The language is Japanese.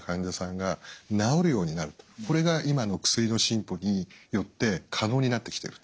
これが今の薬の進歩によって可能になってきてると。